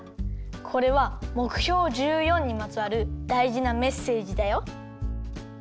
これはもくひょう１４にまつわるだいじなメッセージだよ。